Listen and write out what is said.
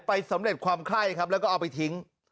สำเร็จความไข้ครับแล้วก็เอาไปทิ้ง